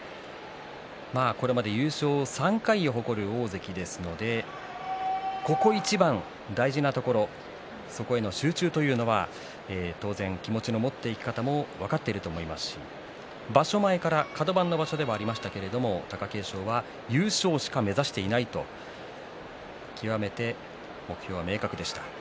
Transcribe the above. これまで優勝３回を誇る大関ですのでここ一番、大事なところそこへの集中というのは当然気持ちの持っていき方も分かっていると思いますし場所前からカド番の場所でもありましたけれど貴景勝は優勝しか目指していないと極めて目標は明確でした。